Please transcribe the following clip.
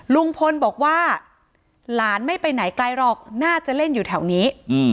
ลุงพลบอกว่าหลานไม่ไปไหนไกลหรอกน่าจะเล่นอยู่แถวนี้